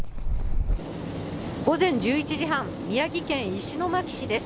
午前１１時半、宮城県石巻市です。